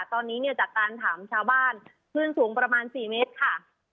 ตอนนี้เนี่ยจากการถามชาวบ้านคลื่นสูงประมาณ๔เมตรค่ะ